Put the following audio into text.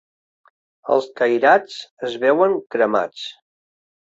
Els cairats es veuen cremats.